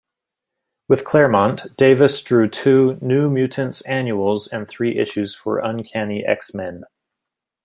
With Claremont, Davis drew two "New Mutants Annuals" and three issues for "Uncanny X-Men".